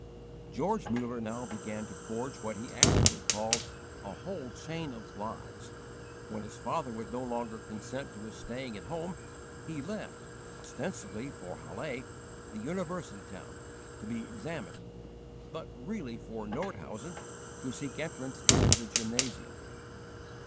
George Muller now began to forge what he afterward called "a whole chain of lies." When his father would no longer consent to his staying at home, he left, ostensibly for Halle, the university town, to be examined, but really for Nordhausen to seek entrance into the gymnasium.